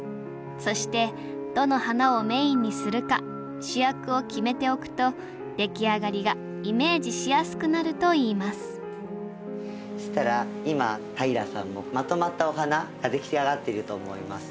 そしてどの花をメインにするか主役を決めておくとできあがりがイメージしやすくなるといいますそしたら今平さんもまとまったお花ができあがっていると思います。